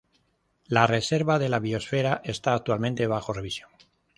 La reserva de la biosfera está actualmente bajo revisión.